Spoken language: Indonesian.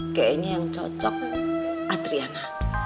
oke ini yang cocok atriana